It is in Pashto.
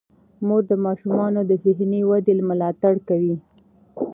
مور د ماشومانو د ذهني ودې ملاتړ کوي.